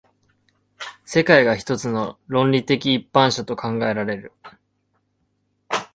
世界が一つの論理的一般者と考えられる。